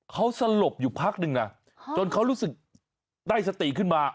เขาสลบอยู่พักนึงนะจนเขารู้สึกได้สติขึ้นมา